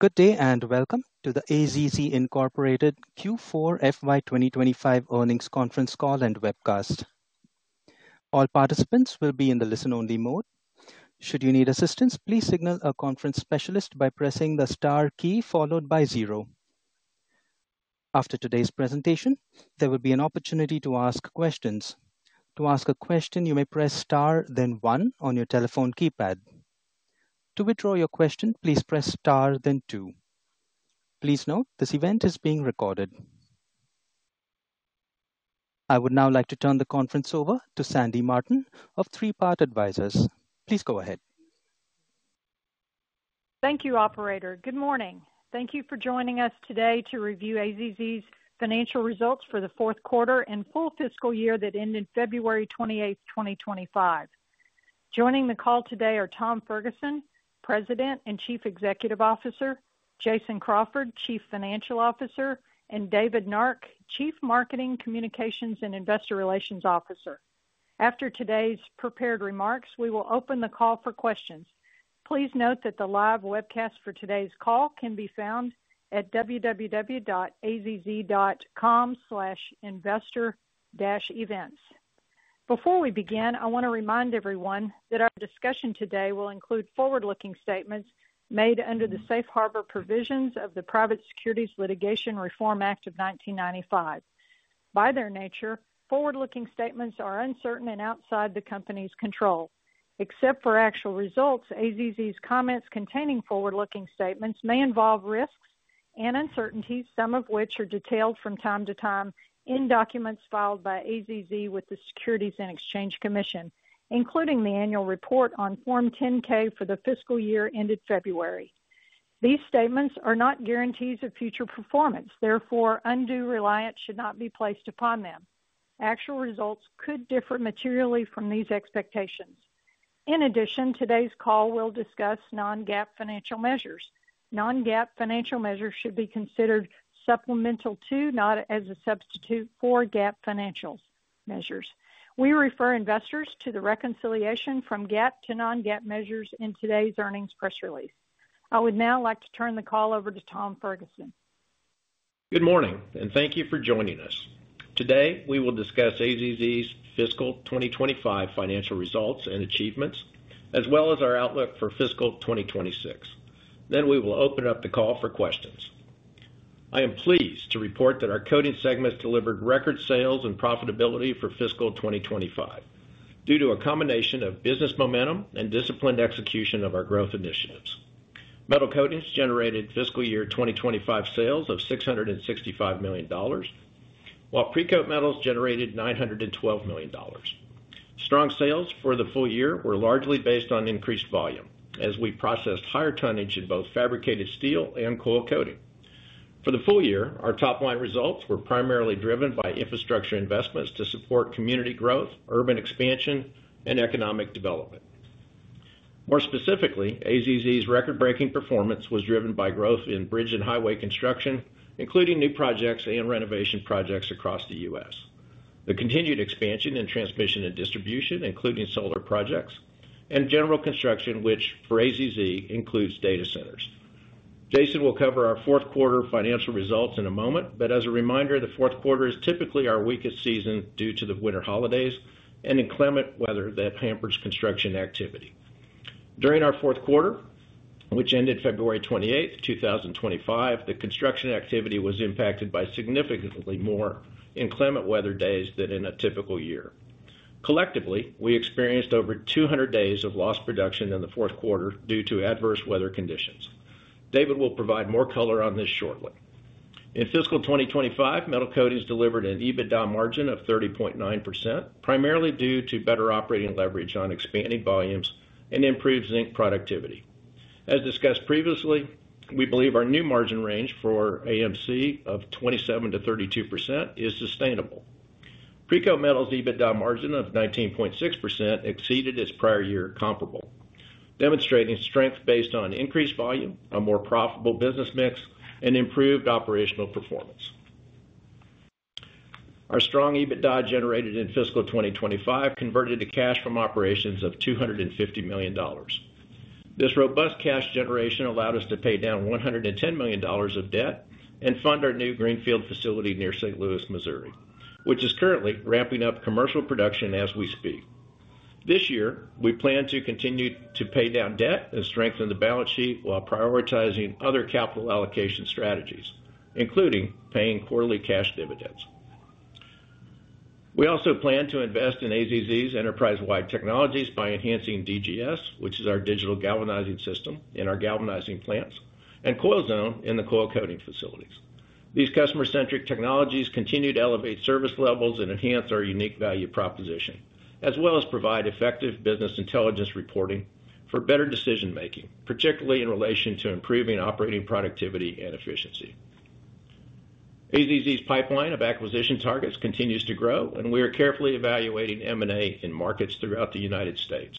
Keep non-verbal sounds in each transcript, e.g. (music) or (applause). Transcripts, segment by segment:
Good day and welcome to the AZZ Q4 FY 2025 Earnings Conference Call and Webcast. All participants will be in the listen-only mode. Should you need assistance, please signal a conference specialist by pressing the star key followed by zero. After today's presentation, there will be an opportunity to ask questions. To ask a question, you may press star, then one on your telephone keypad. To withdraw your question, please press star, then two. Please note this event is being recorded. I would now like to turn the conference over to Sandy Martin of Three Part Advisors. Please go ahead. Thank you, Operator. Good morning. Thank you for joining us today to review AZZ's financial results for the fourth quarter and full fiscal year that ended February 28, 2025. Joining the call today are Tom Ferguson, President and Chief Executive Officer, Jason Crawford, Chief Financial Officer, and David Nark, Chief Marketing, Communications, and Investor Relations Officer. After today's prepared remarks, we will open the call for questions. Please note that the live webcast for today's call can be found at www.azz.com/investor-events. Before we begin, I want to remind everyone that our discussion today will include forward-looking statements made under the Safe Harbor Provisions of the Private Securities Litigation Reform Act of 1995. By their nature, forward-looking statements are uncertain and outside the company's control. Except for actual results, AZZ's comments containing forward-looking statements may involve risks and uncertainties, some of which are detailed from time to time in documents filed by AZZ with the Securities and Exchange Commission, including the annual report on Form 10-K for the fiscal year ended February. These statements are not guarantees of future performance. Therefore, undue reliance should not be placed upon them. Actual results could differ materially from these expectations. In addition, today's call will discuss non-GAAP financial measures. Non-GAAP financial measures should be considered supplemental to, not as a substitute for, GAAP financial measures. We refer investors to the reconciliation from GAAP to non-GAAP measures in today's earnings press release. I would now like to turn the call over to Tom Ferguson. Good morning, and thank you for joining us. Today, we will discuss AZZ's fiscal 2025 financial results and achievements, as well as our outlook for fiscal 2026. We will open up the call for questions. I am pleased to report that our coating segments delivered record sales and profitability for fiscal 2025 due to a combination of business momentum and disciplined execution of our growth initiatives. Metal Coatings generated fiscal year 2025 sales of $665 million, while Precoat Metals generated $912 million. Strong sales for the full year were largely based on increased volume as we processed higher tonnage in both fabricated steel and coil coating. For the full year, our top line results were primarily driven by infrastructure investments to support community growth, urban expansion, and economic development. More specifically, AZZ's record-breaking performance was driven by growth in bridge and highway construction, including new projects and renovation projects across the U.S. The continued expansion in transmission and distribution, including solar projects, and general construction, which for AZZ includes data centers. Jason will cover our fourth quarter financial results in a moment, but as a reminder, the fourth quarter is typically our weakest season due to the winter holidays and inclement weather that hampers construction activity. During our fourth quarter, which ended February 28, 2025, the construction activity was impacted by significantly more inclement weather days than in a typical year. Collectively, we experienced over 200 days of lost production in the fourth quarter due to adverse weather conditions. David will provide more color on this shortly. In fiscal 2025, Metal Coatings delivered an EBITDA margin of 30.9%, primarily due to better operating leverage on expanding volumes and improved zinc productivity. As discussed previously, we believe our new margin range for AMC of 27%-32% is sustainable. Precoat Metals' EBITDA margin of 19.6% exceeded its prior year comparable, demonstrating strength based on increased volume, a more profitable business mix, and improved operational performance. Our strong EBITDA generated in fiscal 2025 converted to cash from operations of $250 million. This robust cash generation allowed us to pay down $110 million of debt and fund our new greenfield facility near St. Louis, Missouri, which is currently ramping up commercial production as we speak. This year, we plan to continue to pay down debt and strengthen the balance sheet while prioritizing other capital allocation strategies, including paying quarterly cash dividends. We also plan to invest in AZZ's enterprise-wide technologies by enhancing DGS, which is our Digital Galvanizing System in our galvanizing plants, and CoilZone in the coil coating facilities. These customer-centric technologies continue to elevate service levels and enhance our unique value proposition, as well as provide effective business intelligence reporting for better decision-making, particularly in relation to improving operating productivity and efficiency. AZZ's pipeline of acquisition targets continues to grow, and we are carefully evaluating M&A in markets throughout the United States.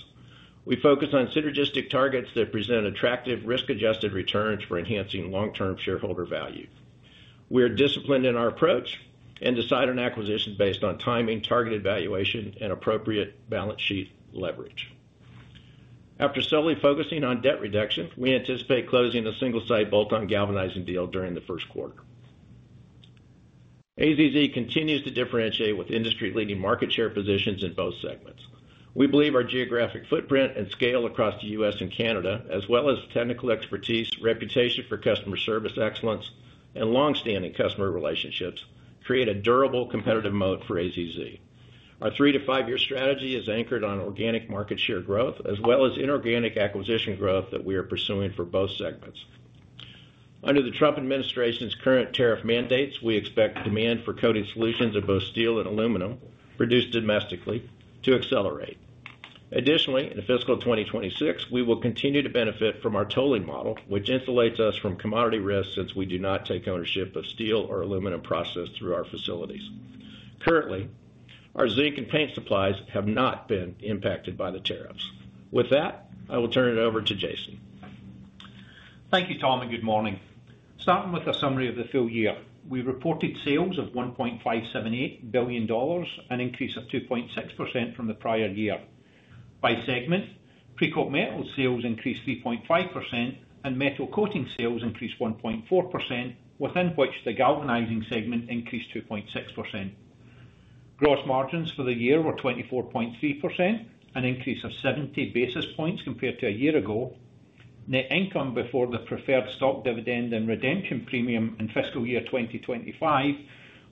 We focus on synergistic targets that present attractive risk-adjusted returns for enhancing long-term shareholder value. We are disciplined in our approach and decide on acquisitions based on timing, targeted valuation, and appropriate balance sheet leverage. After solely focusing on debt reduction, we anticipate closing a single-site bolt-on galvanizing deal during the first quarter. AZZ continues to differentiate with industry-leading market share positions in both segments. We believe our geographic footprint and scale across the U.S. and Canada, as well as technical expertise, reputation for customer service excellence, and long-standing customer relationships, create a durable competitive moat for AZZ. Our three-to-five-year strategy is anchored on organic market share growth, as well as inorganic acquisition growth that we are pursuing for both segments. Under the Trump administration's current tariff mandates, we expect demand for coating solutions of both steel and aluminum produced domestically to accelerate. Additionally, in fiscal 2026, we will continue to benefit from our tolling model, which insulates us from commodity risk since we do not take ownership of steel or aluminum processed through our facilities. Currently, our zinc and paint supplies have not been impacted by the tariffs. With that, I will turn it over to Jason. Thank you, Tom, and good morning. Starting with a summary of the full year, we reported sales of $1.578 billion, an increase of 2.6% from the prior year. By segment, Precoat Metals sales increased 3.5%, and Metal Coating sales increased 1.4%, within which the galvanizing segment increased 2.6%. Gross margins for the year were 24.3%, an increase of 70 basis points compared to a year ago. Net income before the preferred stock dividend and redemption premium in fiscal year 2025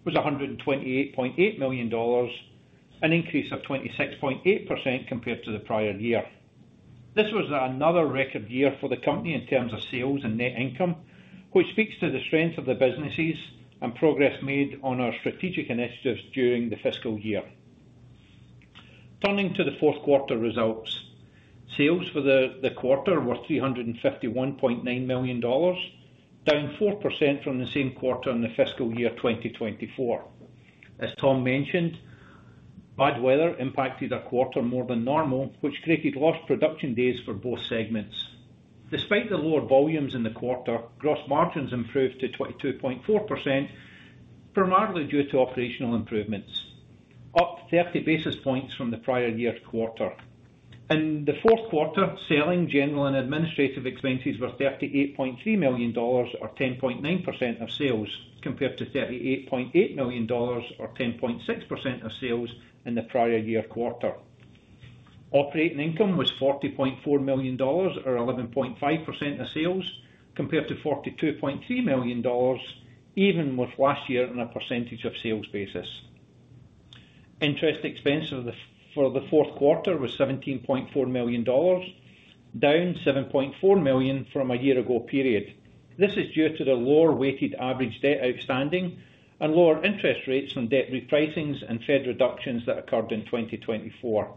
was $128.8 million, an increase of 26.8% compared to the prior year. This was another record year for the company in terms of sales and net income, which speaks to the strength of the businesses and progress made on our strategic initiatives during the fiscal year. Turning to the fourth quarter results, sales for the quarter were $351.9 million, down 4% from the same quarter in the fiscal year 2024. As Tom mentioned, bad weather impacted our quarter more than normal, which created lost production days for both segments. Despite the lower volumes in the quarter, gross margins improved to 22.4%, primarily due to operational improvements, up 30 basis points from the prior year's quarter. In the fourth quarter, selling, general, and administrative expenses were $38.3 million, or 10.9% of sales, compared to $38.8 million, or 10.6% of sales in the prior year quarter. Operating income was $40.4 million, or 11.5% of sales, compared to $42.3 million, even with last year on a percentage of sales basis. Interest expense for the fourth quarter was $17.4 million, down $7.4 million from a year-ago period. This is due to the lower weighted average debt outstanding and lower interest rates on debt repricings and Fed reductions that occurred in 2024.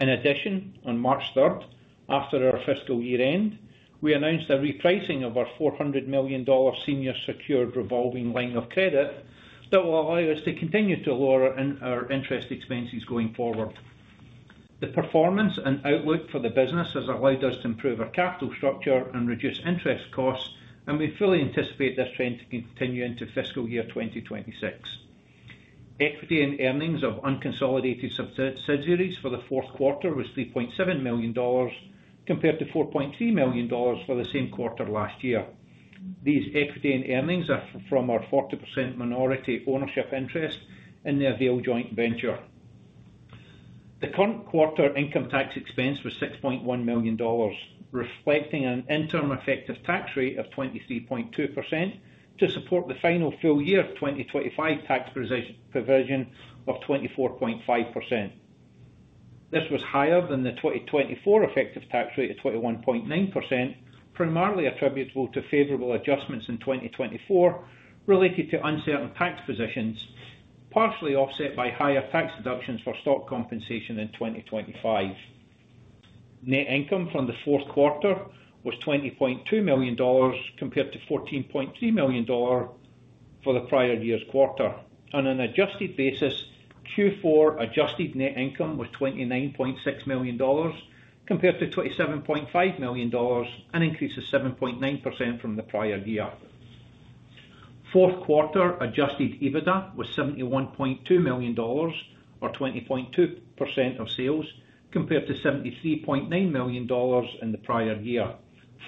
In addition, on March 3rd, after our fiscal year end, we announced a repricing of our $400 million senior secured revolving line of credit that will allow us to continue to lower our interest expenses going forward. The performance and outlook for the business has allowed us to improve our capital structure and reduce interest costs, and we fully anticipate this trend to continue into fiscal year 2026. Equity and earnings of unconsolidated subsidiaries for the fourth quarter was $3.7 million, compared to $4.3 million for the same quarter last year. These equity and earnings are from our 40% minority ownership interest in the AVAIL Joint Venture. The current quarter income tax expense was $6.1 million, reflecting an interim effective tax rate of 23.2% to support the final full year 2025 tax provision of 24.5%. This was higher than the 2024 effective tax rate of 21.9%, primarily attributable to favorable adjustments in 2024 related to uncertain tax positions, partially offset by higher tax deductions for stock compensation in 2025. Net income from the fourth quarter was $20.2 million, compared to $14.3 million for the prior year's quarter. On an adjusted basis, Q4 adjusted net income was $29.6 million, compared to $27.5 million, an increase of 7.9% from the prior year. Fourth quarter adjusted EBITDA was $71.2 million, or 20.2% of sales, compared to $73.9 million in the prior year,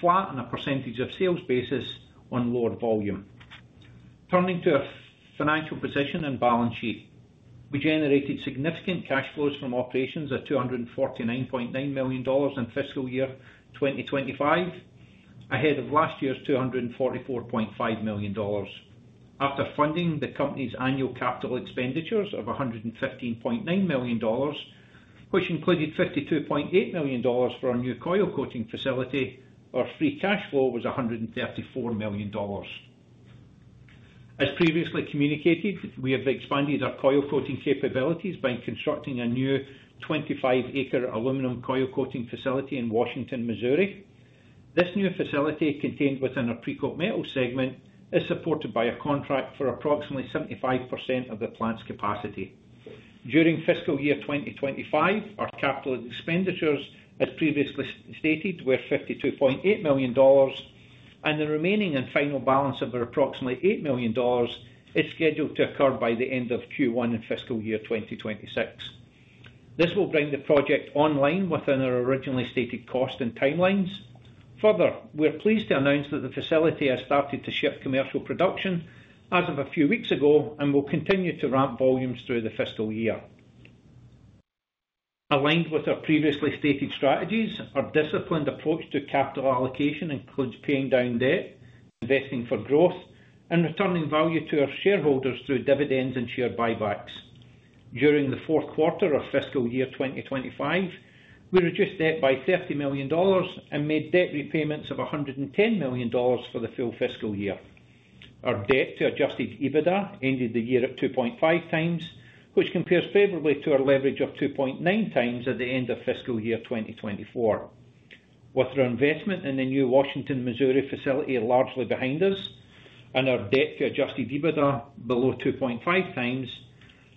flat on a percentage of sales basis on lower volume. Turning to our financial position and balance sheet, we generated significant cash flows from operations of $249.9 million in fiscal year 2025, ahead of last year's $244.5 million. After funding the company's annual capital expenditures of $115.9 million, which included $52.8 million for our new coil coating facility, our free cash flow was $134 million. As previously communicated, we have expanded our coil coating capabilities by constructing a new 25 acre aluminum coil coating facility in Washington, Missouri. This new facility, contained within our Precoat Metals segment, is supported by a contract for approximately 75% of the plant's capacity. During fiscal year 2025, our capital expenditures, as previously stated, were $52.8 million, and the remaining and final balance of approximately $8 million is scheduled to occur by the end of Q1 in fiscal year 2026. This will bring the project online within our originally stated cost and timelines. Further, we're pleased to announce that the facility has started to ship commercial production as of a few weeks ago and will continue to ramp volumes through the fiscal year. Aligned with our previously stated strategies, our disciplined approach to capital allocation includes paying down debt, investing for growth, and returning value to our shareholders through dividends and share buybacks. During the fourth quarter of fiscal year 2025, we reduced debt by $30 million and made debt repayments of $110 million for the full fiscal year. Our debt to adjusted EBITDA ended the year at 2.5x, which compares favorably to our leverage of 2.9x at the end of fiscal year 2024. With our investment in the new Washington, Missouri facility largely behind us and our debt to adjusted EBITDA below 2.5x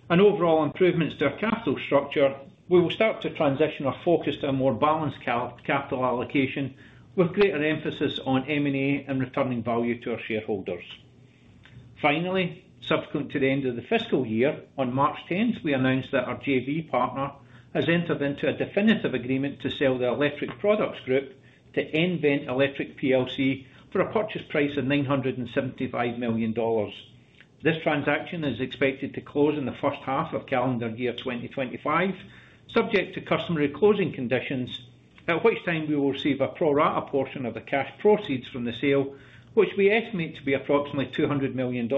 and overall improvements to our capital structure, we will start to transition our focus to a more balanced capital allocation with greater emphasis on M&A and returning value to our shareholders. Finally, subsequent to the end of the fiscal year, on March 10th, we announced that our JV partner has entered into a definitive agreement to sell the Electric Products Group to nVent Electric plc for a purchase price of $975 million. This transaction is expected to close in the first half of calendar year 2025, subject to customary closing conditions, at which time we will receive a pro rata portion of the cash proceeds from the sale, which we estimate to be approximately $200 million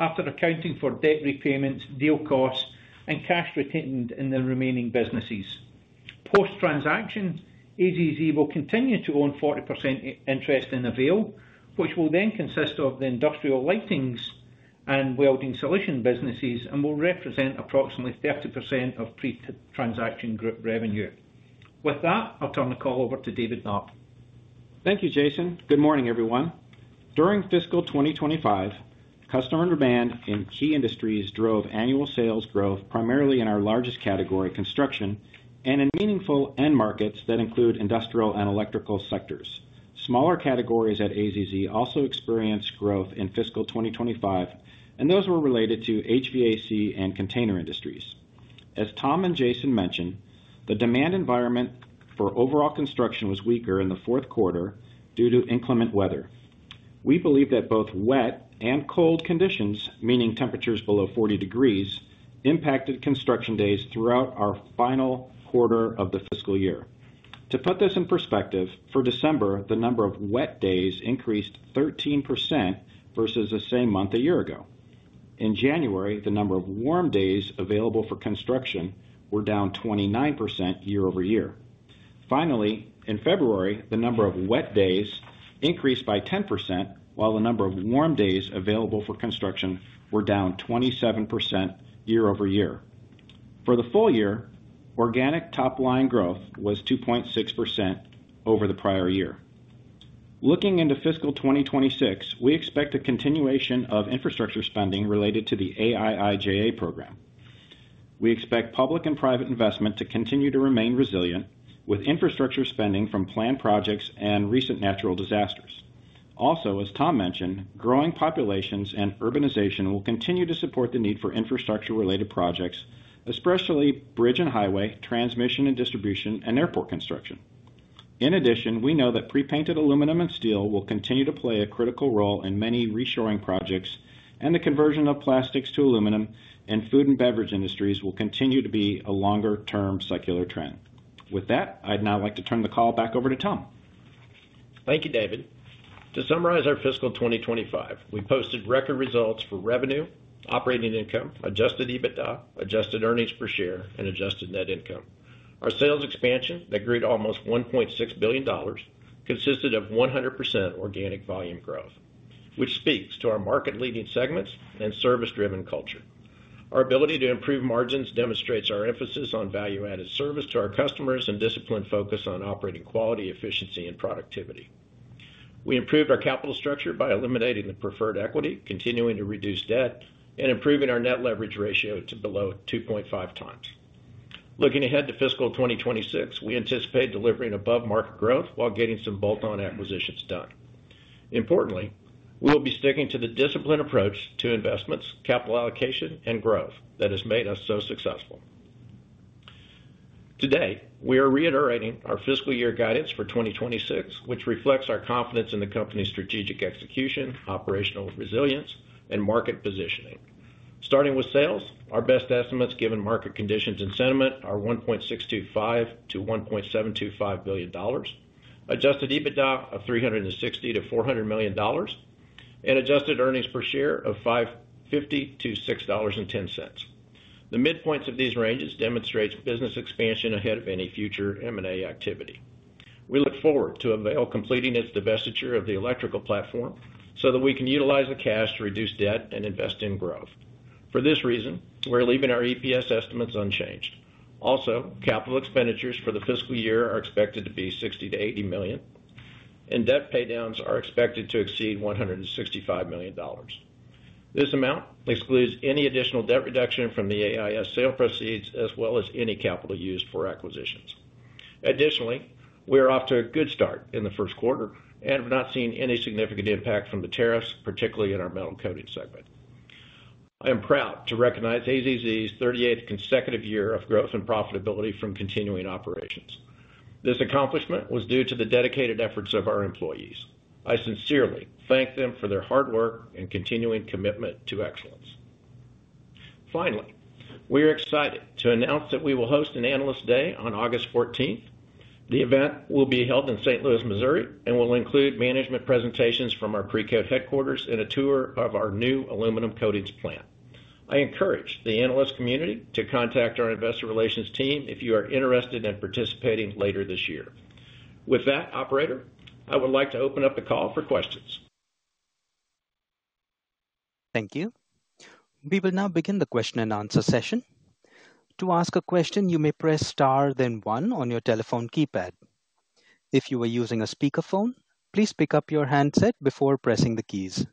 after accounting for debt repayments, deal costs, and cash retained in the remaining businesses. Post-transaction, AZZ will continue to own 40% interest in AVAIL, which will then consist of the Industrial Lighting and Welding Solutions businesses and will represent approximately 30% of pre-transaction group revenue. With that, I'll turn the call over to David Nark. Thank you, Jason. Good morning, everyone. During fiscal 2025, customer demand in key industries drove annual sales growth, primarily in our largest category, construction, and in meaningful end markets that include industrial and electrical sectors. Smaller categories at AZZ also experienced growth in fiscal 2025, and those were related to HVAC and container industries. As Tom and Jason mentioned, the demand environment for overall construction was weaker in the fourth quarter due to inclement weather. We believe that both wet and cold conditions, meaning temperatures below 40 degrees Fahrenheit, impacted construction days throughout our final quarter of the fiscal year. To put this in perspective, for December, the number of wet days increased 13% versus the same month a year ago. In January, the number of warm days available for construction were down 29% year-over-year. Finally, in February, the number of wet days increased by 10%, while the number of warm days available for construction were down 27% year-over-year. For the full year, organic top-line growth was 2.6% over the prior year. Looking into fiscal 2026, we expect a continuation of infrastructure spending related to the IIJA program. We expect public and private investment to continue to remain resilient with infrastructure spending from planned projects and recent natural disasters. Also, as Tom mentioned, growing populations and urbanization will continue to support the need for infrastructure-related projects, especially bridge and highway, transmission and distribution, and airport construction. In addition, we know that prepainted aluminum and steel will continue to play a critical role in many reshoring projects, and the conversion of plastics to aluminum in food and beverage industries will continue to be a longer-term secular trend. With that, I'd now like to turn the call back over to Tom. Thank you, David. To summarize our fiscal 2025, we posted record results for revenue, operating income, adjusted EBITDA, adjusted earnings per share, and adjusted net income. Our sales expansion, that reached almost $1.6 billion, consisted of 100% organic volume growth, which speaks to our market-leading segments and service-driven culture. Our ability to improve margins demonstrates our emphasis on value-added service to our customers and disciplined focus on operating quality, efficiency, and productivity. We improved our capital structure by eliminating the preferred equity, continuing to reduce debt, and improving our net leverage ratio to below 2.5x. Looking ahead to fiscal 2026, we anticipate delivering above-market growth while getting some bolt-on acquisitions done. Importantly, we will be sticking to the disciplined approach to investments, capital allocation, and growth that has made us so successful. Today, we are reiterating our fiscal year guidance for 2026, which reflects our confidence in the company's strategic execution, operational resilience, and market positioning. Starting with sales, our best estimates given market conditions and sentiment are $1.625 billion-$1.725 billion, adjusted EBITDA of $360 million-$400 million, and adjusted earnings per share of $5.50-$6.10. The midpoint of these ranges demonstrates business expansion ahead of any future M&A activity. We look forward to AVAIL completing its divestiture of the electrical platform so that we can utilize the cash to reduce debt and invest in growth. For this reason, we're leaving our EPS estimates unchanged. Also, capital expenditures for the fiscal year are expected to be $60 million-$80 million, and debt paydowns are expected to exceed $165 million. This amount excludes any additional debt reduction from the AIS sale proceeds, as well as any capital used for acquisitions. Additionally, we are off to a good start in the first quarter and have not seen any significant impact from the tariffs, particularly in our Metal Coating segment. I am proud to recognize AZZ's 38th consecutive year of growth and profitability from continuing operations. This accomplishment was due to the dedicated efforts of our employees. I sincerely thank them for their hard work and continuing commitment to excellence. Finally, we are excited to announce that we will host an Analyst Day on August 14th. The event will be held in St. Louis, Missouri, and will include management presentations from our Precoat headquarters and a tour of our new aluminum coatings plant. I encourage the Analyst community to contact our investor relations team if you are interested in participating later this year. With that, Operator, I would like to open up the call for questions. Thank you. We will now begin the question and answer session. To ask a question, you may press star, then one on your telephone keypad. If you are using a speakerphone, please pick up your handset before pressing the keys.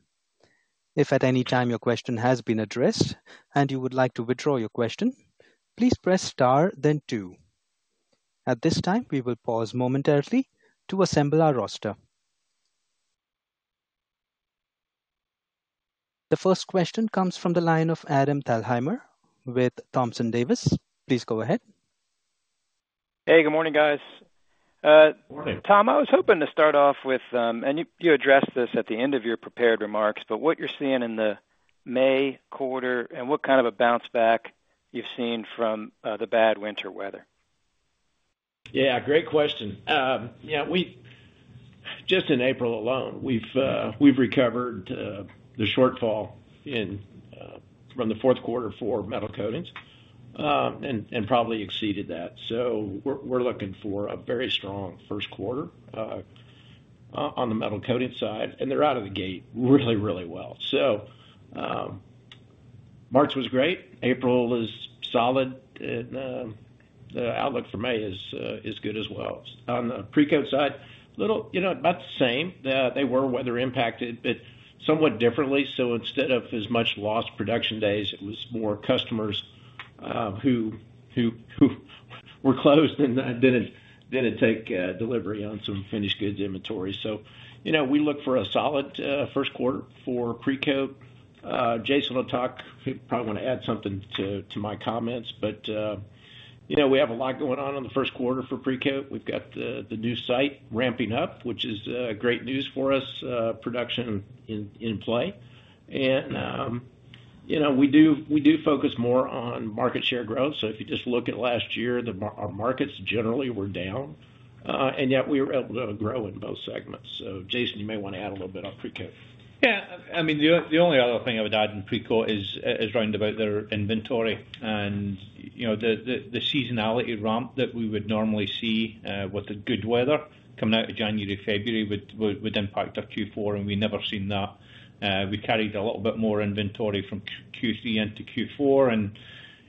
If at any time your question has been addressed and you would like to withdraw your question, please press star, then two. At this time, we will pause momentarily to assemble our roster. The first question comes from the line of Adam Thalhimer with Thompson Davis. Please go ahead. Hey, good morning, guys. Tom, I was hoping to start off with, and you addressed this at the end of your prepared remarks, but what you're seeing in the May quarter and what kind of a bounce back you've seen from the bad winter weather? Yeah, great question. Just in April alone, we've recovered the shortfall from the fourth quarter for Metal Coatings and probably exceeded that. We are looking for a very strong first quarter on the Metal Coating side, and they're out of the gate really, really well. March was great. April is solid, and the outlook for May is good as well. On the Precoat side, a little about the same. They were weather impacted, but somewhat differently. Instead of as much lost production days, it was more customers who were closed than it did take delivery on some finished goods inventory. We look for a solid first quarter for Precoat. Jason will talk. He'll probably want to add something to my comments, but we have a lot going on in the first quarter for Precoat. We've got the new site ramping up, which is great news for us, production in play. We do focus more on market share growth. If you just look at last year, our markets generally were down, and yet we were able to grow in both segments. Jason, you may want to add a little bit on Precoat. Yeah. I mean, the only other thing I would add in Precoat is round about their inventory and the seasonality ramp that we would normally see with the good weather coming out of January, February would impact Q4, and we've never seen that. We carried a little bit more inventory from Q3 into Q4, and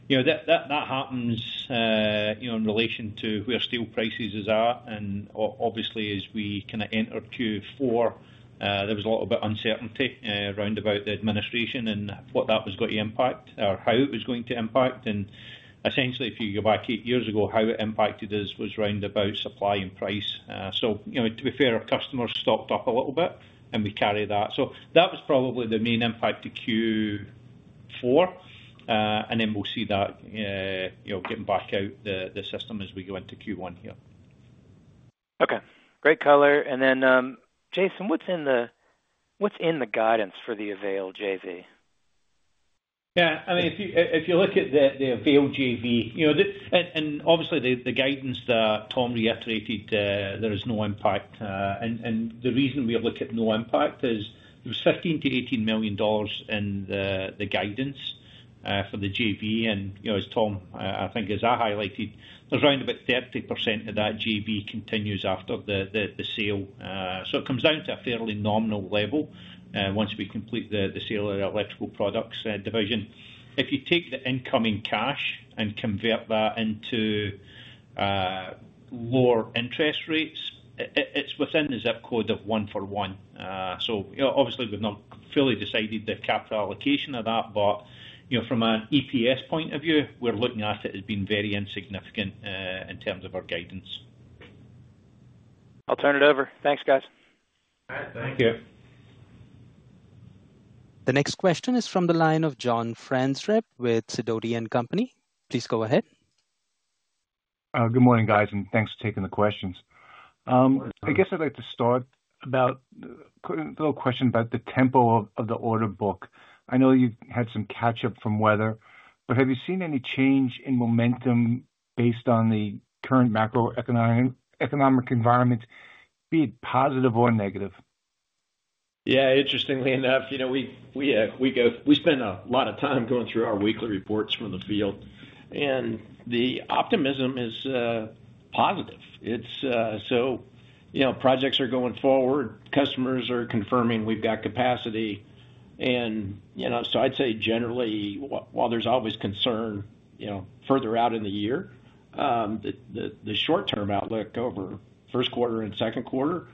that happens in relation to where steel prices are at. Obviously, as we kind of enter Q4, there was a little bit of uncertainty round about the administration and what that was going to impact or how it was going to impact. Essentially, if you go back eight years ago, how it impacted us was round about supply and price. To be fair, our customers stocked up a little bit, and we carry that. That was probably the main impact to Q4, and then we'll see that getting back out the system as we go into Q1 here. Okay. Great color. Jason, what's in the guidance for the AVAIL JV? Yeah. I mean, if you look at the AVAIL JV, and obviously, the guidance that Tom reiterated, there is no impact. The reason we look at no impact is there was $15 million-$18 million in the guidance for the JV. As Tom, I think, as I highlighted, there is round about 30% of that JV continues after the sale. It comes down to a fairly nominal level once we complete the sale of the electrical products division. If you take the incoming cash and convert that into lower interest rates, it is within the zip code of one for one. Obviously, we have not fully decided the capital allocation of that, but from an EPS point of view, we are looking at it as being very insignificant in terms of our guidance. I'll turn it over. Thanks, guys. Thank you. The next question is from the line of John Franzreb with Sidoti & Company. Please go ahead. Good morning, guys, and thanks for taking the questions. I guess I'd like to start about a little question about the tempo of the order book. I know you had some catch-up from weather, but have you seen any change in momentum based on the current macroeconomic environment, be it positive or negative? Yeah. Interestingly enough, we spend a lot of time going through our weekly reports from the field, and the optimism is positive. Projects are going forward. Customers are confirming we've got capacity. I'd say generally, while there's always concern further out in the year, the short-term outlook over first quarter and second quarter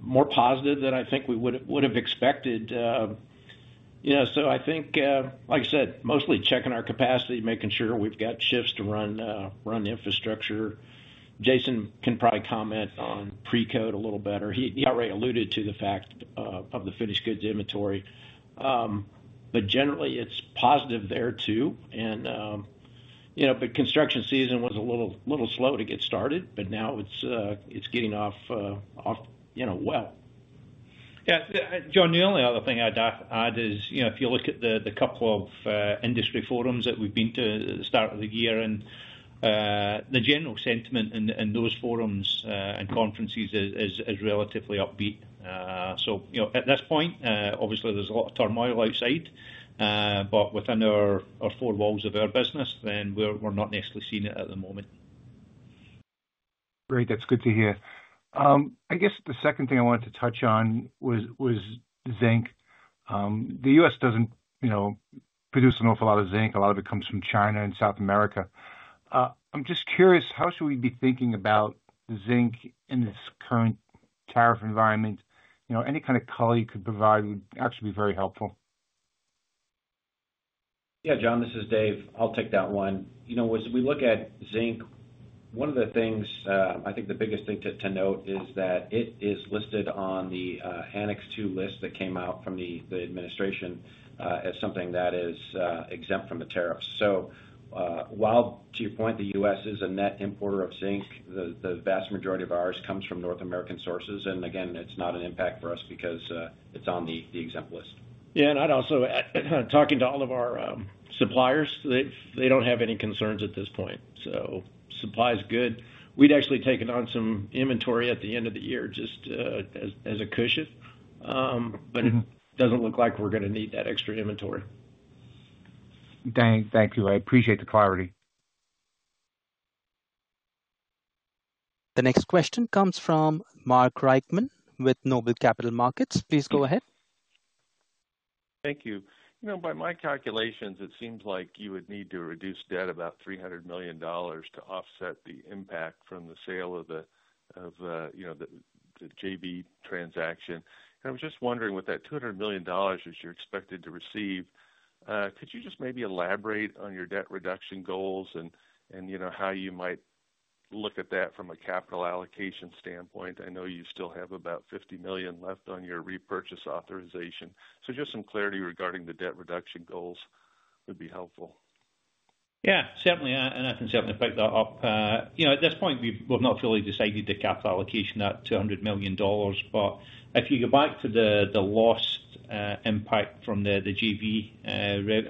is more positive than I think we would have expected. I think, like I said, mostly checking our capacity, making sure we've got shifts to run infrastructure. Jason can probably comment on Precoat a little better. He already alluded to the fact of the finished goods inventory. Generally, it's positive there too. The construction season was a little slow to get started, but now it's getting off well. Yeah. John, the only other thing I'd add is if you look at the couple of industry forums that we've been to at the start of the year, the general sentiment in those forums and conferences is relatively upbeat. At this point, obviously, there's a lot of turmoil outside, but within our four walls of our business, we're not necessarily seeing it at the moment. Great. That's good to hear. I guess the second thing I wanted to touch on was zinc. The U.S. doesn't produce an awful lot of zinc. A lot of it comes from China and South America. I'm just curious, how should we be thinking about zinc in this current tariff environment? Any kind of color you could provide would actually be very helpful. Yeah, John, this is Dave. I'll take that one. As we look at zinc, one of the things, I think the biggest thing to note is that it is listed on the Annex II list that came out from the administration as something that is exempt from the tariffs. While to your point, the U.S. is a net importer of zinc, the vast majority of ours comes from North American sources. Again, it's not an impact for us because it's on the exempt list. Yeah. I'd also add, talking to all of our suppliers, they don't have any concerns at this point. Supply is good. We'd actually taken on some inventory at the end of the year just as a cushion, but it doesn't look like we're going to need that extra inventory. Thank you. I appreciate the clarity. The next question comes from Mark Reichman with Noble Capital Markets. Please go ahead. Thank you. By my calculations, it seems like you would need to reduce debt about $300 million to offset the impact from the sale of the JV transaction. I am just wondering with that $200 million that you are expected to receive, could you just maybe elaborate on your debt reduction goals and how you might look at that from a capital allocation standpoint? I know you still have about $50 million left on your repurchase authorization. Just some clarity regarding the debt reduction goals would be helpful. Yeah, certainly. I can certainly pick that up. At this point, we've not fully decided the capital allocation at $200 million, but if you go back to the lost impact from the JV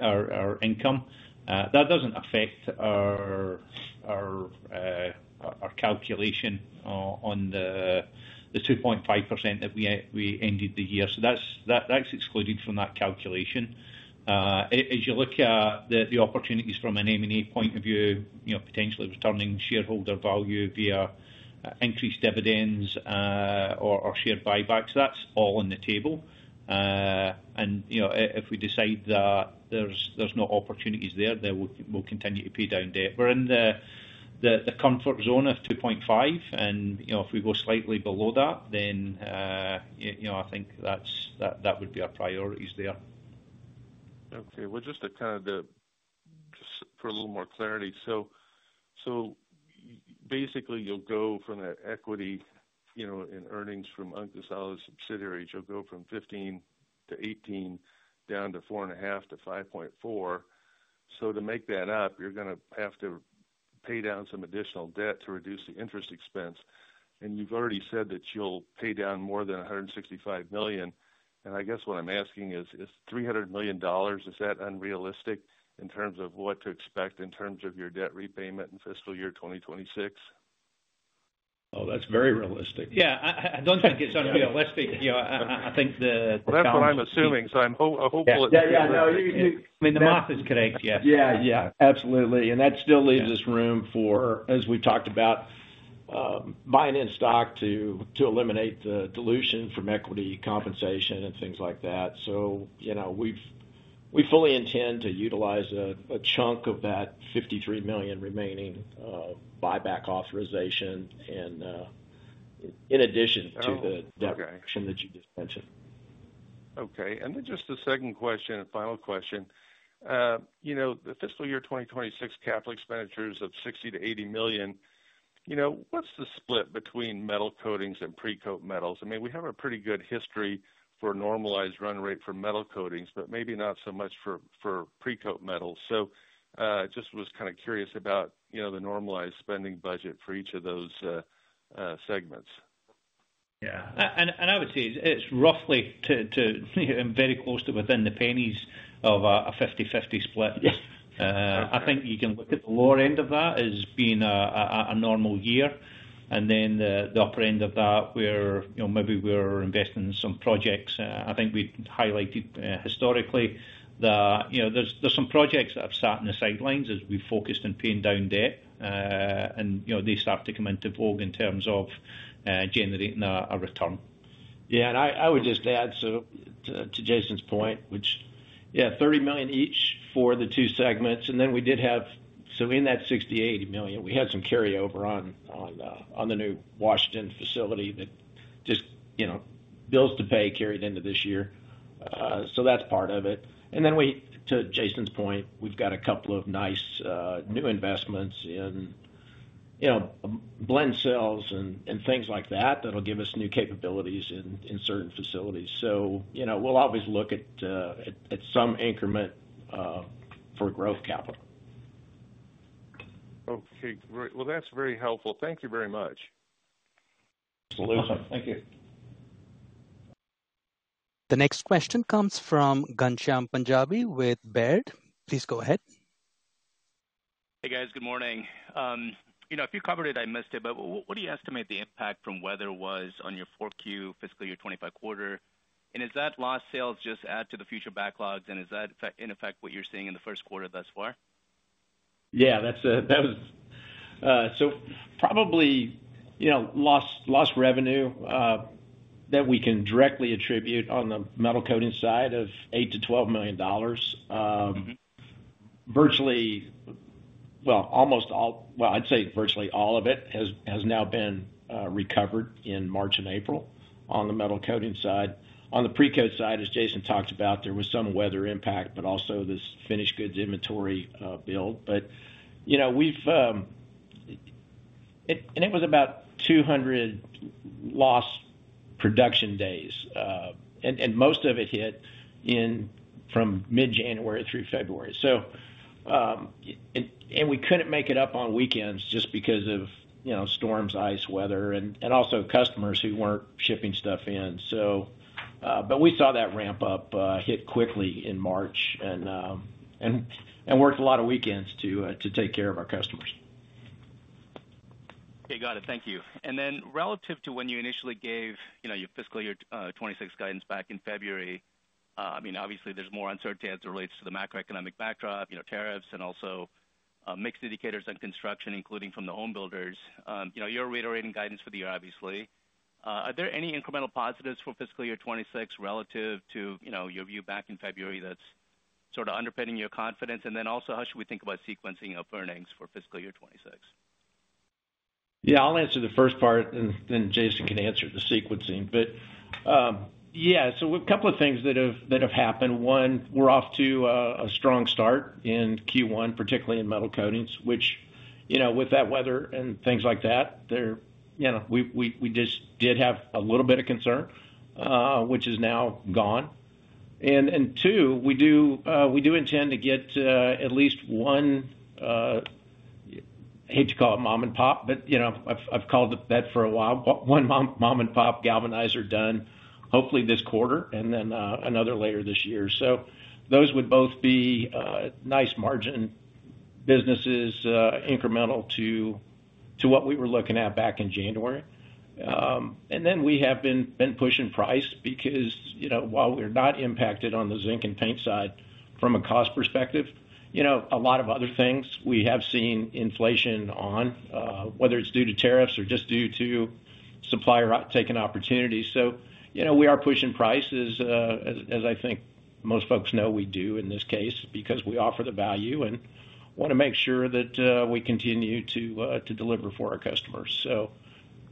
or income, that doesn't affect our calculation on the 2.5% that we ended the year. That's excluded from that calculation. As you look at the opportunities from an M&A point of view, potentially returning shareholder value via increased dividends or share buybacks, that's all on the table. If we decide that there's no opportunities there, we'll continue to pay down debt. We're in the comfort zone of 2.5%, and if we go slightly below that, I think that would be our priorities there. Okay. Just to kind of for a little more clarity. Basically, you'll go from the equity and earnings from unconsolidated subsidiaries, you'll go from 15-18 down to 4.5-5.4. To make that up, you're going to have to pay down some additional debt to reduce the interest expense. You've already said that you'll pay down more than $165 million. I guess what I'm asking is, is $300 million, is that unrealistic in terms of what to expect in terms of your debt repayment in fiscal year 2026? Oh, that's very realistic. Yeah. I don't think it's unrealistic. I think the. That is what I am assuming. I am hopeful (crosstalk) Yeah. Yeah. No. I mean, the math is correct. Yes. Yeah. Yeah. Absolutely. That still leaves us room for, as we've talked about, buying in stock to eliminate the dilution from equity compensation and things like that. We fully intend to utilize a chunk of that $53 million remaining buyback authorization in addition to the debt reduction that you just mentioned. Okay. Just a second question, final question. The fiscal year 2026 capital expenditures of $60 million-$80 million, what's the split between Metal Coatings and Precoat Metals? I mean, we have a pretty good history for normalized run rate for Metal Coatings, but maybe not so much for Precoat Metals. I just was kind of curious about the normalized spending budget for each of those segments. Yeah. I would say it's roughly very close to within the pennies of a 50/50 split. I think you can look at the lower end of that as being a normal year, and the upper end of that where maybe we're investing in some projects. I think we'd highlighted historically that there's some projects that have sat in the sidelines as we've focused on paying down debt, and they start to come into vogue in terms of generating a return. Yeah. I would just add to Jason's point, which, yeah, $30 million each for the two segments. We did have some in that $60 million-$80 million. We had some carryover on the new Washington facility that just bills to pay carried into this year. That is part of it. To Jason's point, we've got a couple of nice new investments in blend cells and things like that that'll give us new capabilities in certain facilities. We will always look at some increment for growth capital. Okay. Great. That is very helpful. Thank you very much. Absolutely. Thank you. The next question comes from Ghansham Panjabi with Baird. Please go ahead. Hey, guys. Good morning. If you covered it, I missed it, but what do you estimate the impact from weather was on your 4Q fiscal year 2025 quarter? Is that lost sales just add to the future backlogs, and is that, in effect, what you're seeing in the first quarter thus far? Yeah. Probably lost revenue that we can directly attribute on the Metal Coating side of $8 million-$12 million. Virtually, well, almost all, I would say virtually all of it has now been recovered in March and April on the Metal Coating side. On the Precoat side, as Jason talked about, there was some weather impact, but also this finished goods inventory build. It was about 200 lost production days, and most of it hit from mid-January through February. We could not make it up on weekends just because of storms, ice, weather, and also customers who were not shipping stuff in. We saw that ramp up hit quickly in March and worked a lot of weekends to take care of our customers. Okay. Got it. Thank you. Then relative to when you initially gave your fiscal year 2026 guidance back in February, I mean, obviously, there's more uncertainty as it relates to the macroeconomic backdrop, tariffs, and also mixed indicators on construction, including from the home builders. You're reiterating guidance for the year, obviously. Are there any incremental positives for fiscal year 2026 relative to your view back in February that's sort of underpinning your confidence? Also, how should we think about sequencing of earnings for fiscal year 2026? Yeah. I'll answer the first part, and then Jason can answer the sequencing. Yeah, we have a couple of things that have happened. One, we're off to a strong start in Q1, particularly in Metal Coatings, which with that weather and things like that, we just did have a little bit of concern, which is now gone. Two, we do intend to get at least one, I hate to call it mom and pop, but I've called it that for a while, one mom and pop galvanizer done hopefully this quarter and then another later this year. Those would both be nice margin businesses, incremental to what we were looking at back in January. We have been pushing price because while we're not impacted on the zinc and paint side from a cost perspective, a lot of other things we have seen inflation on, whether it's due to tariffs or just due to supplier taking opportunities. We are pushing prices, as I think most folks know we do in this case because we offer the value and want to make sure that we continue to deliver for our customers.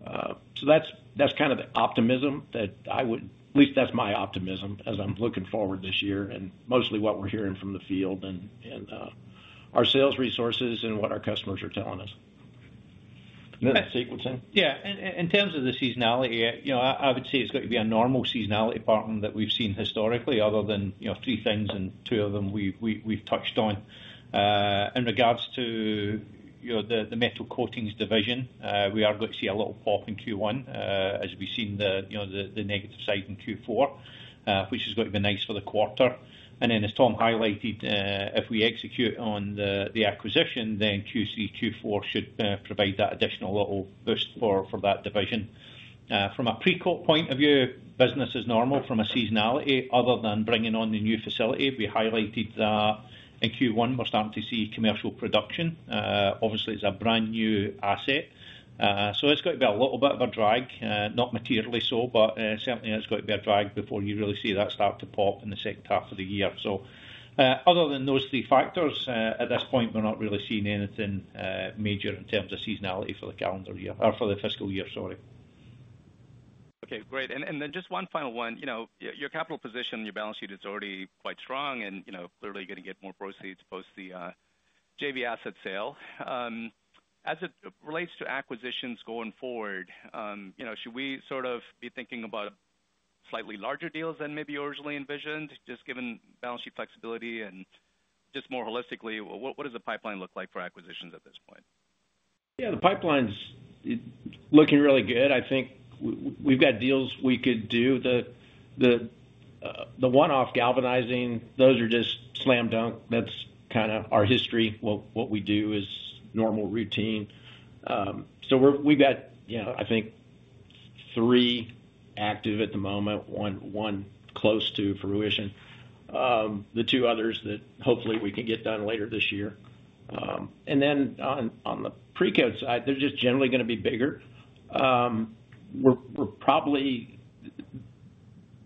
That is kind of the optimism that I would, at least that's my optimism as I'm looking forward this year and mostly what we're hearing from the field and our sales resources and what our customers are telling us. That sequencing. Yeah. In terms of the seasonality, I would say it's got to be a normal seasonality pattern that we've seen historically other than three things and two of them we've touched on. In regards to the Metal Coatings division, we are going to see a little pop in Q1 as we've seen the negative side in Q4, which is got to be nice for the quarter. As Tom highlighted, if we execute on the acquisition, then Q3, Q4 should provide that additional little boost for that division. From a Precoat point of view, business is normal from a seasonality other than bringing on the new facility. We highlighted that in Q1, we're starting to see commercial production. Obviously, it's a brand new asset. It has got to be a little bit of a drag, not materially so, but certainly, it has got to be a drag before you really see that start to pop in the second half of the year. Other than those three factors, at this point, we are not really seeing anything major in terms of seasonality for the calendar year or for the fiscal year, sorry. Okay. Great. Just one final one. Your capital position, your balance sheet is already quite strong, and clearly, you're going to get more proceeds post the JV asset sale. As it relates to acquisitions going forward, should we sort of be thinking about slightly larger deals than maybe originally envisioned, just given balance sheet flexibility and just more holistically, what does the pipeline look like for acquisitions at this point? Yeah. The pipeline's looking really good. I think we've got deals we could do. The one-off galvanizing, those are just slam dunk. That's kind of our history. What we do is normal routine. So we've got, I think, three active at the moment, one close to fruition, the two others that hopefully we can get done later this year. On the Precoat side, they're just generally going to be bigger.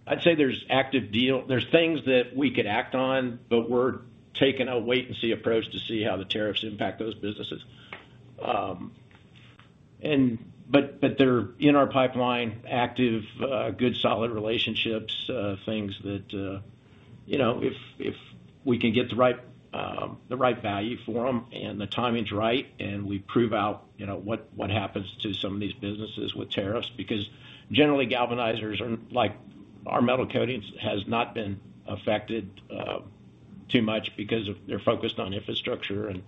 I'd say there's active deals. There's things that we could act on, but we're taking a wait-and-see approach to see how the tariffs impact those businesses. They are in our pipeline, active, good, solid relationships, things that if we can get the right value for them and the timing is right and we prove out what happens to some of these businesses with tariffs because generally, galvanizers like our Metal Coatings has not been affected too much because they are focused on infrastructure and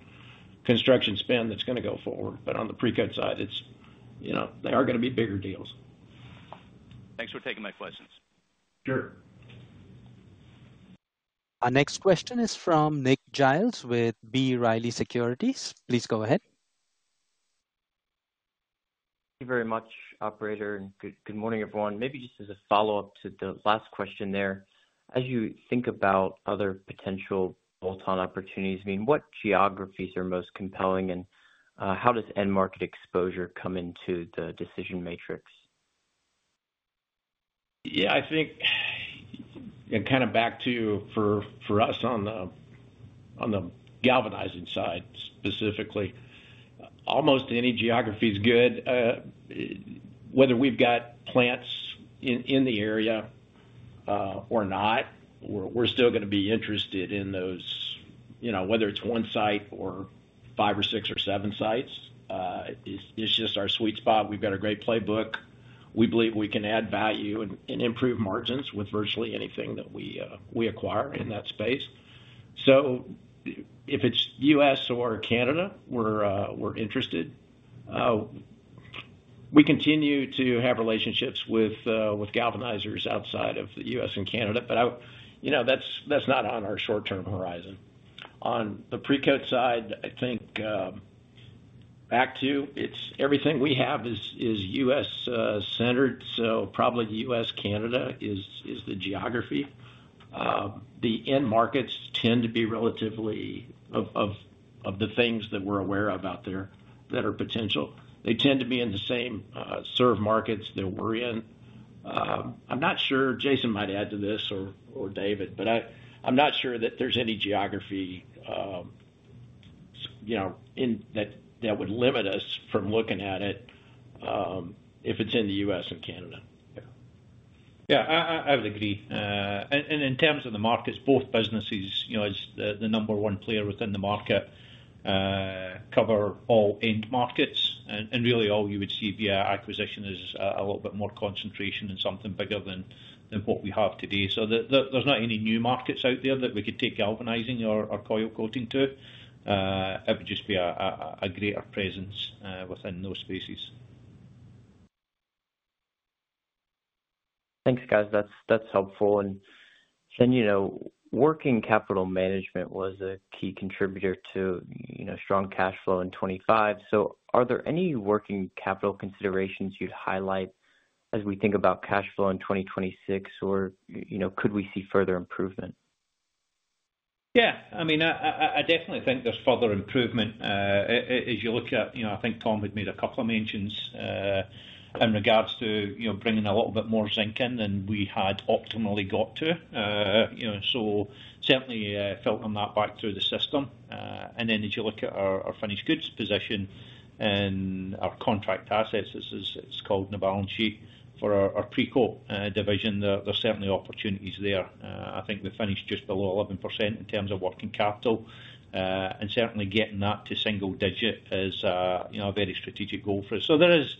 construction spend that is going to go forward. On the Precoat side, they are going to be bigger deals. Thanks for taking my questions. Sure. Our next question is from Nick Giles with B. Riley Securities. Please go ahead. Thank you very much, Operator. Good morning, everyone. Maybe just as a follow-up to the last question there, as you think about other potential bolt-on opportunities, I mean, what geographies are most compelling, and how does end market exposure come into the decision matrix? Yeah. I think kind of back to for us on the galvanizing side specifically, almost any geography is good. Whether we've got plants in the area or not, we're still going to be interested in those, whether it's one site or five or six or seven sites. It's just our sweet spot. We've got a great playbook. We believe we can add value and improve margins with virtually anything that we acquire in that space. If it's U.S. or Canada, we're interested. We continue to have relationships with galvanizers outside of the U.S. and Canada, but that's not on our short-term horizon. On the Precoat side, I think back to everything we have is U.S.-centered, so probably U.S., Canada is the geography. The end markets tend to be relatively of the things that we're aware of out there that are potential. They tend to be in the same serve markets that we're in. I'm not sure. Jason might add to this or David, but I'm not sure that there's any geography that would limit us from looking at it if it's in the U.S. and Canada. Yeah. Yeah. I would agree. In terms of the markets, both businesses, as the number one player within the market, cover all end markets. Really, all you would see via acquisition is a little bit more concentration in something bigger than what we have today. There are not any new markets out there that we could take galvanizing or coil coating to. It would just be a greater presence within those spaces. Thanks, guys. That's helpful. Working capital management was a key contributor to strong cash flow in 2025. Are there any working capital considerations you'd highlight as we think about cash flow in 2026, or could we see further improvement? Yeah. I mean, I definitely think there's further improvement as you look at I think Tom had made a couple of mentions in regards to bringing a little bit more zinc in than we had optimally got to. Certainly, filtering that back through the system. As you look at our finished goods position and our contract assets, as it's called in the balance sheet for our Precoat division, there's certainly opportunities there. I think we're finished just below 11% in terms of working capital. Certainly, getting that to single digit is a very strategic goal for us. There is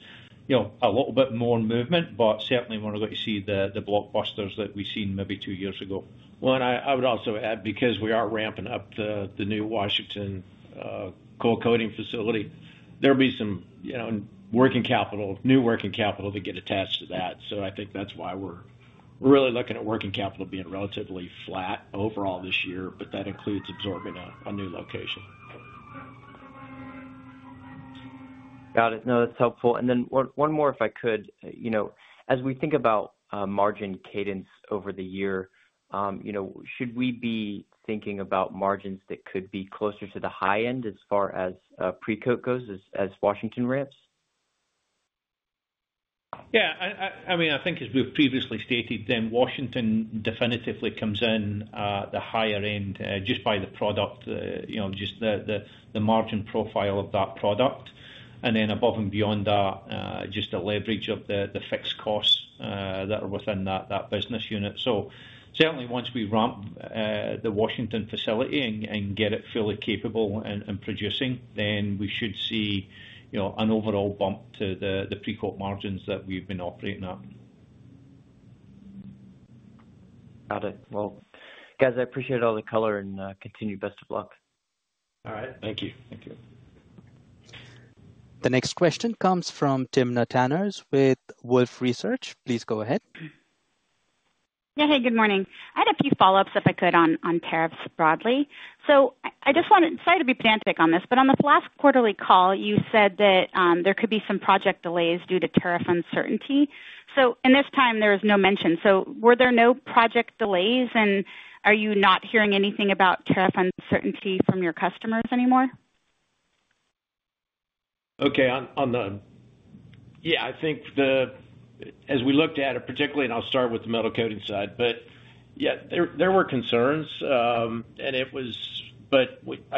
a little bit more movement, but certainly, we're not going to see the blockbusters that we've seen maybe two years ago. I would also add, because we are ramping up the new Washington coil coating facility, there'll be some working capital, new working capital to get attached to that. I think that's why we're really looking at working capital being relatively flat overall this year, but that includes absorbing a new location. Got it. No, that's helpful. One more, if I could. As we think about margin cadence over the year, should we be thinking about margins that could be closer to the high end as far as Precoat goes as Washington ramps? Yeah. I mean, I think as we've previously stated, then Washington definitively comes in at the higher end just by the product, just the margin profile of that product. And then above and beyond that, just the leverage of the fixed costs that are within that business unit. Certainly, once we ramp the Washington facility and get it fully capable and producing, we should see an overall bump to the Precoat margins that we've been operating at. Got it. Guys, I appreciate all the color and continue best of luck. All right. Thank you. Thank you. The next question comes from Timna Tanners with Wolfe Research. Please go ahead. Yeah. Hey, good morning. I had a few follow-ups if I could on tariffs broadly. I just wanted, sorry to be pedantic on this, but on this last quarterly call, you said that there could be some project delays due to tariff uncertainty. In this time, there was no mention. Were there no project delays, and are you not hearing anything about tariff uncertainty from your customers anymore? Okay. Yeah. I think as we looked at it, particularly, and I'll start with the Metal Coating side, yeah, there were concerns. I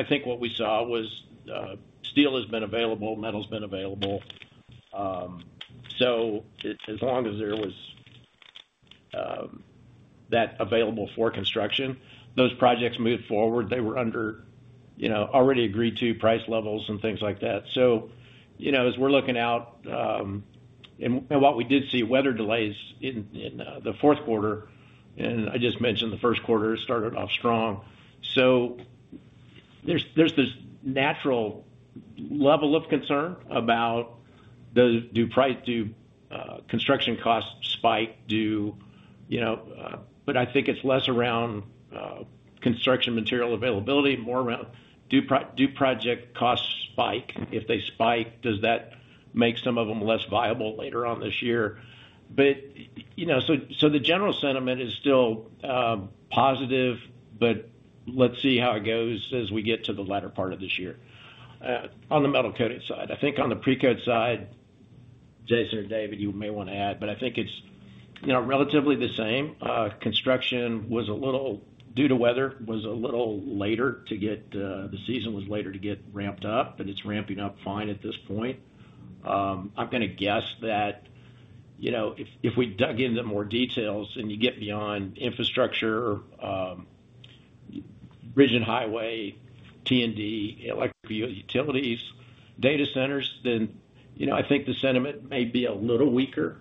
think what we saw was steel has been available, Metal's been available. As long as there was that available for construction, those projects moved forward. They were under already agreed-to price levels and things like that. As we're looking out, what we did see were weather delays in the fourth quarter. I just mentioned the first quarter started off strong. There's this natural level of concern about, Do construction costs spike? I think it's less around construction material availability, more around do project costs spike? If they spike, does that make some of them less viable later on this year? The general sentiment is still positive, but let's see how it goes as we get to the latter part of this year on the Metal Coating side. I think on the Precoat side, Jason or David, you may want to add, but I think it's relatively the same. Construction was a little, due to weather, was a little later to get, the season was later to get ramped up, but it's ramping up fine at this point. I'm going to guess that if we dug into more details and you get beyond infrastructure, bridge and highway, T&D, electric utilities, data centers, then I think the sentiment may be a little weaker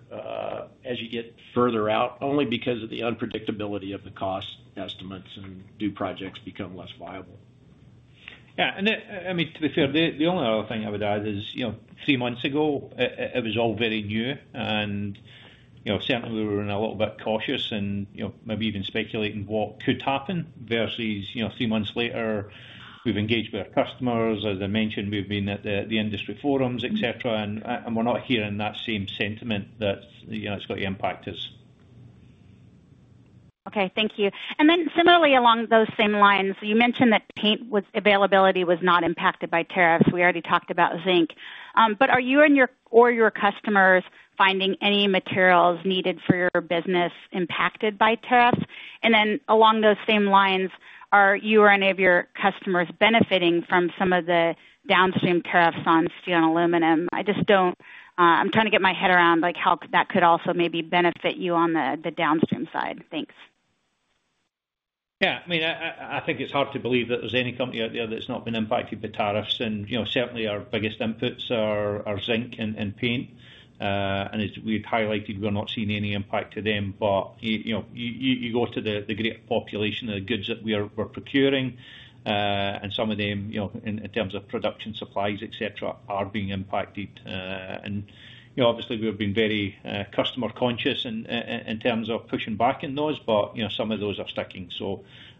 as you get further out, only because of the unpredictability of the cost estimates and do projects become less viable. Yeah. I mean, to be fair, the only other thing I would add is three months ago, it was all very new. Certainly, we were a little bit cautious and maybe even speculating what could happen versus three months later, we've engaged with our customers. As I mentioned, we've been at the industry forums, etc., and we're not hearing that same sentiment that it's got to impact us. Okay. Thank you. Similarly, along those same lines, you mentioned that paint availability was not impacted by tariffs. We already talked about zinc. Are you or your customers finding any materials needed for your business impacted by tariffs? Along those same lines, are you or any of your customers benefiting from some of the downstream tariffs on steel and aluminum? I'm trying to get my head around how that could also maybe benefit you on the downstream side. Thanks. Yeah. I mean, I think it's hard to believe that there's any company out there that's not been impacted by tariffs. Certainly, our biggest inputs are zinc and paint. As we've highlighted, we're not seeing any impact to them. You go to the greater population of the goods that we're procuring, and some of them, in terms of production supplies, etc., are being impacted. Obviously, we've been very customer-conscious in terms of pushing back in those, but some of those are sticking.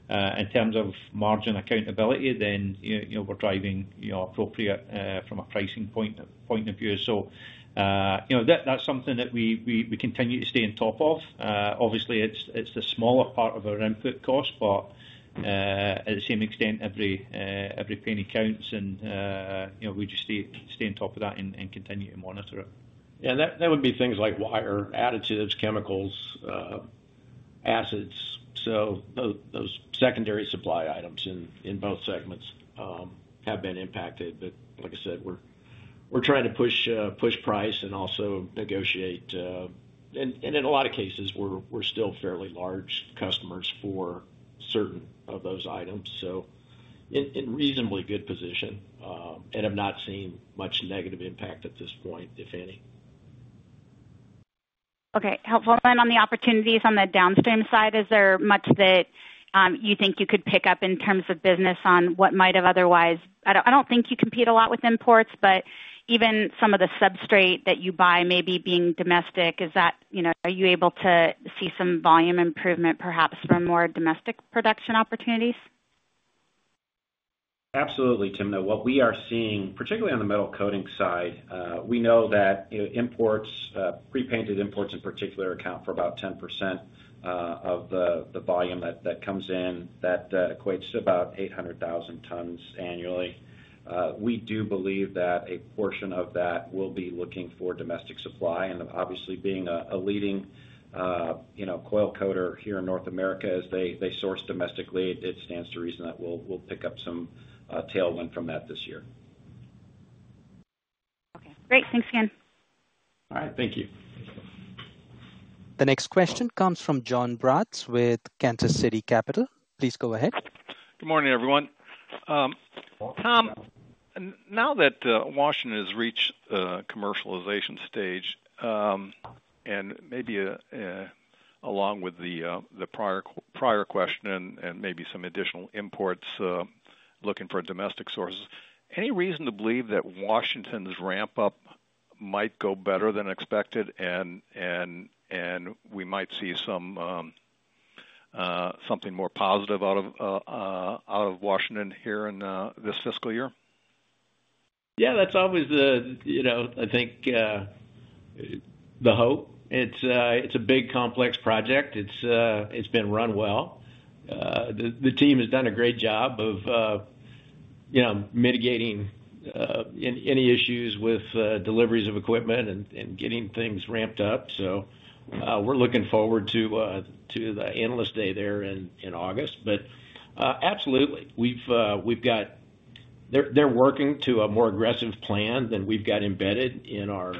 In terms of margin accountability, then we're driving appropriate from a pricing point of view. That's something that we continue to stay on top of. Obviously, it's the smaller part of our input cost, but at the same extent, every penny counts, and we just stay on top of that and continue to monitor it. Yeah. That would be things like wire, additives, chemicals, acids. Those secondary supply items in both segments have been impacted. Like I said, we're trying to push price and also negotiate. In a lot of cases, we're still fairly large customers for certain of those items. We're in reasonably good position, and I've not seen much negative impact at this point, if any. Okay. Helpful. On the opportunities on the downstream side, is there much that you think you could pick up in terms of business on what might have otherwise? I do not think you compete a lot with imports, but even some of the substrate that you buy may be being domestic. Are you able to see some volume improvement perhaps from more domestic production opportunities? Absolutely, Timna. Now, what we are seeing, particularly on the Metal Coating side, we know that prepainted imports in particular account for about 10% of the volume that comes in. That equates to about 800,000 tons annually. We do believe that a portion of that will be looking for domestic supply. Obviously, being a leading coil coater here in North America, as they source domestically, it stands to reason that we'll pick up some tailwind from that this year. Okay. Great. Thanks again. All right. Thank you. The next question comes from John Braatz with Kansas City Capital. Please go ahead. Good morning, everyone. Tom, now that Washington has reached the commercialization stage, and maybe along with the prior question and maybe some additional imports looking for domestic sources, any reason to believe that Washington's ramp-up might go better than expected, and we might see something more positive out of Washington here in this fiscal year? Yeah. That's always, I think, the hope. It's a big, complex project. It's been run well. The team has done a great job of mitigating any issues with deliveries of equipment and getting things ramped up. We are looking forward to the Analyst Day there in August. Absolutely, they're working to a more aggressive plan than we've got embedded in our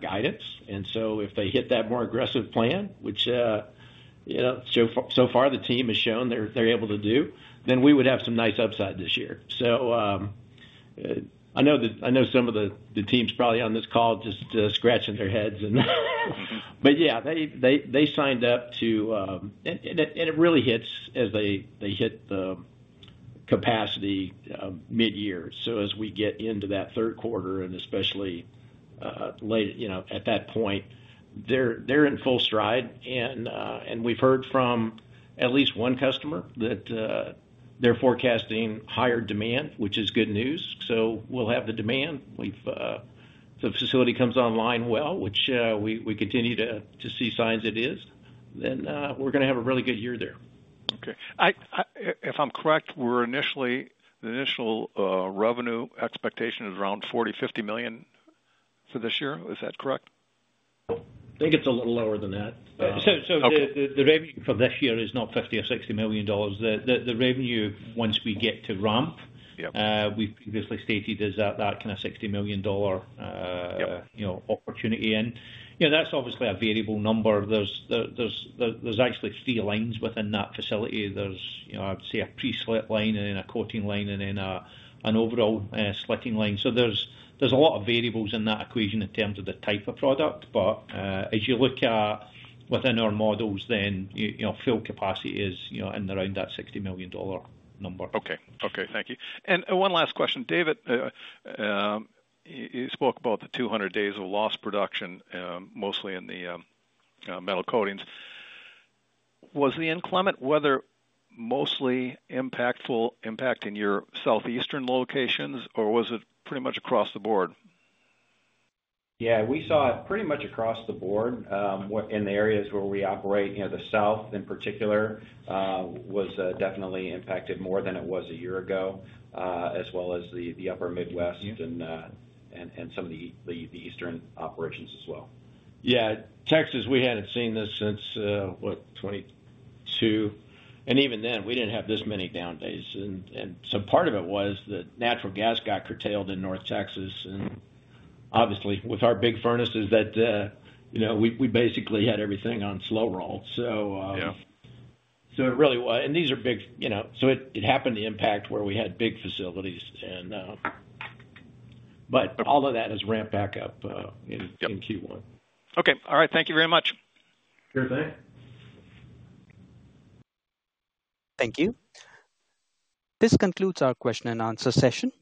guidance. If they hit that more aggressive plan, which so far the team has shown they're able to do, then we would have some nice upside this year. I know some of the teams probably on this call are just scratching their heads. Yeah, they signed up to it and it really hits as they hit the capacity mid-year. As we get into that third quarter, and especially at that point, they're in full stride. We've heard from at least one customer that they're forecasting higher demand, which is good news. We will have the demand. If the facility comes online well, which we continue to see signs it is, then we're going to have a really good year there. Okay. If I'm correct, the initial revenue expectation is around $40 million-$50 million for this year. Is that correct? I think it's a little lower than that. The revenue for this year is not $50 million or $60 million. The revenue, once we get to ramp, we've previously stated is that kind of $60 million opportunity. That's obviously a variable number. There's actually three lines within that facility. There's, I'd say, a pre-slit line and then a coating line and then an overall slitting line. There's a lot of variables in that equation in terms of the type of product. As you look at within our models, then fill capacity is in and around that $60 million number. Okay. Okay. Thank you. One last question. David, you spoke about the 200 days of lost production, mostly in the Metal Coatings. Was the inclement weather mostly impacting your southeastern locations, or was it pretty much across the board? Yeah. We saw it pretty much across the board in the areas where we operate. The South, in particular, was definitely impacted more than it was a year ago, as well as the upper Midwest and some of the eastern operations as well. Yeah. Texas, we had not seen this since, what, 2022? Even then, we did not have this many down days. Part of it was the natural gas got curtailed in North Texas. Obviously, with our big furnaces, we basically had everything on slow roll. It really was, and these are big, so it happened to impact where we had big facilities. All of that has ramped back up in Q1. Okay. All right. Thank you very much. Sure thing. Thank you. This concludes our question-and-answer session.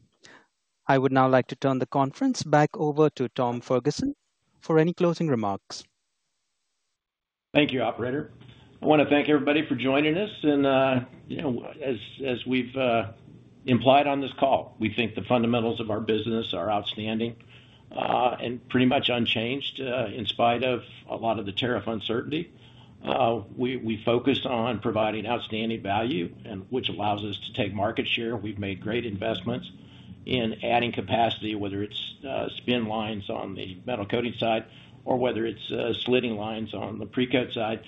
I would now like to turn the conference back over to Tom Ferguson for any closing remarks. Thank you, Operator. I want to thank everybody for joining us. As we've implied on this call, we think the fundamentals of our business are outstanding and pretty much unchanged in spite of a lot of the tariff uncertainty. We focus on providing outstanding value, which allows us to take market share. We've made great investments in adding capacity, whether it's spin lines on the Metal Coating side or whether it's slitting lines on the Precoat side.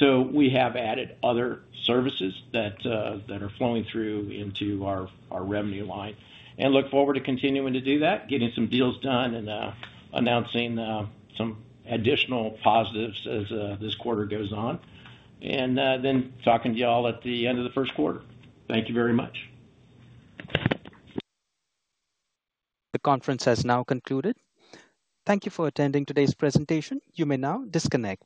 We have added other services that are flowing through into our revenue line and look forward to continuing to do that, getting some deals done and announcing some additional positives as this quarter goes on, and talking to y'all at the end of the first quarter. Thank you very much. The conference has now concluded. Thank you for attending today's presentation. You may now disconnect.